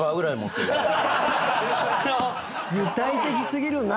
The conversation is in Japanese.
具体的過ぎるな。